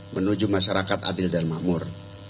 menuju masyarakat adil dan makmur